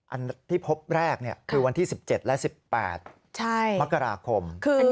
อันที่พบแรกคือวันที่๑๗และ๑๘มกราคม